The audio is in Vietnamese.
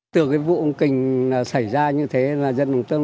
từ cái vụ kinh xảy ra như thế là dân đồng tâm